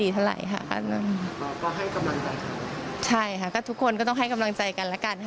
ใช่ค่ะก็ทุกคนก็ต้องให้กำลังใจกันแล้วกัน